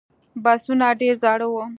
بسونه ډېر زاړه و.